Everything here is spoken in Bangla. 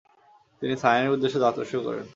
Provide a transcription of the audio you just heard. তিনি সায়েনের উদ্দেশ্যে যাত্রা করেন।